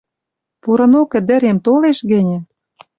«Пурынок ӹдӹрем толеш гӹньӹ